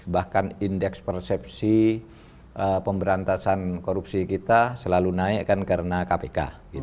bahkan indeks persepsi pemberantasan korupsi kita selalu naik kan karena kpk